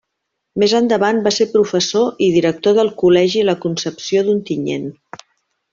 Més endavant va ser professor i director del col·legi la Concepció d'Ontinyent.